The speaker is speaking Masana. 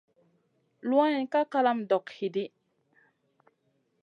Luwayn ka kalama dog hidi.